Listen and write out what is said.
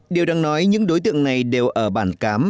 điều đang nói những đối tượng này đều ở bản cám